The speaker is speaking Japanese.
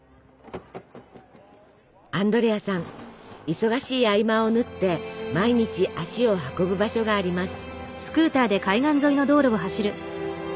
忙しい合間を縫って毎日足を運ぶ場所があります。